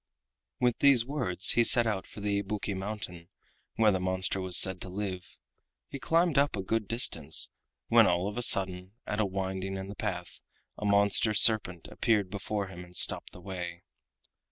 With these words he set out for the Ibuki Mountain, where the monster was said to live. He climbed up a good distance, when all of a sudden, at a winding in the path, a monster serpent appeared before him and stopped the way.